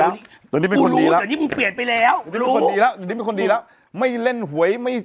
โอเคข่าวการเมืองเราไม่ต้องเล่าแล้วนะตอนนี้